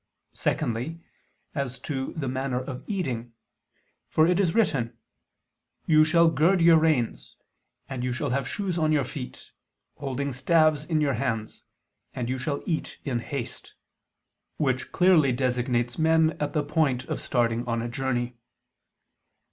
Secondly, as to the manner of eating. For it is written: "You shall gird your reins, and you shall have shoes on your feet, holding staves in your hands, and you shall eat in haste": which clearly designates men at the point of starting on a journey.